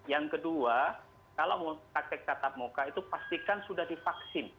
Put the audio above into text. yang kedua kalau mau praktek tatap muka itu pastikan sudah divaksin